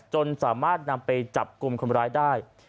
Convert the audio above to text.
จนสามารถนำไปจับกลุ่มคนร้ายได้